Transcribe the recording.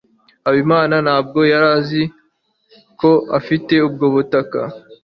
habimana ntabwo yari azi ko ufite ubwo butaka